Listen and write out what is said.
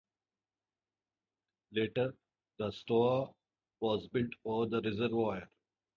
Later, the stoa was built over the reservoir.